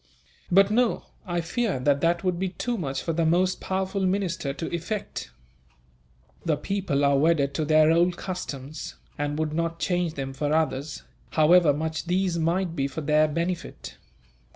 "But no; I fear that that would be too much for the most powerful minister to effect. The people are wedded to their old customs, and would not change them for others, however much these might be for their benefit.